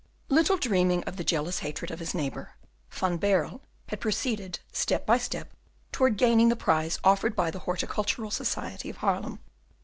Little dreaming of the jealous hatred of his neighbour, Van Baerle had proceeded step by step towards gaining the prize offered by the Horticultural Society of Haarlem.